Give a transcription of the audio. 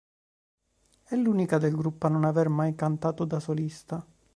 È l'unica del gruppo a non aver mai cantato da solista.